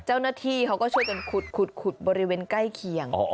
เจ้าหน้าที่เขาก็ช่วยกันขุดบริเวณใกล้เคียง